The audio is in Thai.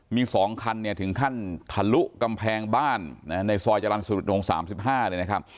มีสองคันเนี่ยถึงขั้นทะลุกำแพงบ้านนะฮะในซอยจรรย์สูตรโรงสามสิบห้าเลยนะครับ